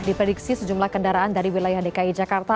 diprediksi sejumlah kendaraan dari wilayah dki jakarta